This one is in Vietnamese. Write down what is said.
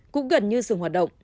cũng gần như sừng hoạt động